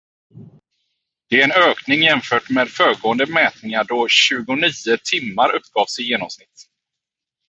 Det är en ökning jämfört med föregående mätningar då tjugonio timmar uppgavs i genomsnitt.